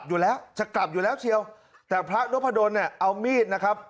อยู่แล้วจะกลับอยู่แล้วเชียวแต่พระนพดลเนี่ยเอามีดนะครับ